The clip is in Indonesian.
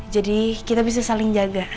jadi kita bisa saling jaga